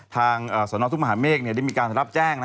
สนทุกมหาเมฆได้มีการรับแจ้ง